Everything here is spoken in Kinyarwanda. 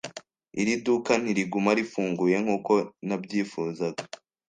Iri duka ntiriguma rifunguye nkuko nabyifuzaga.